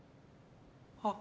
あっ。